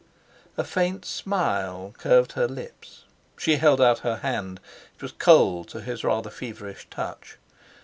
A faint smile curved her lips. She held out her hand. It was cold to his rather feverish touch.